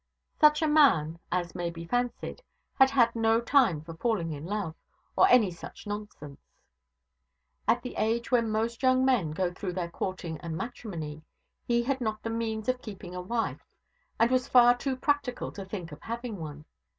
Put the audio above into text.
Such a man, as may be fancied, had had no time for falling in love, or any such nonsense. At the age when most young men go through their courting and matrimony, he had not the means of keeping a wife, and was far too practical to think of having one.